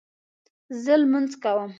زه لمونځ کوم